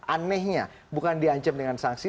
anehnya bukan di ancam dengan sanksi